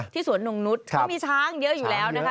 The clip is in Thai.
ที่สวนโน่งนุษย์ก็มีช้างเยอะอยู่แล้วนะคะ